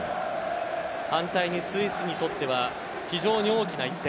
反対にスイスにとっては非常に大きな１点。